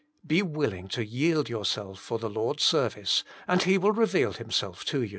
Be willing to yield yourself for the Lord's service, and He will reveal Himself to you.